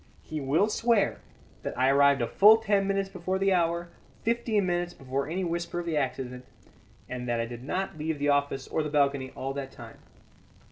He will swear that I arrived a full ten minutes before the hour, fifteen minutes before any whisper of the accident, and that I did not leave the office or the balcony all that time.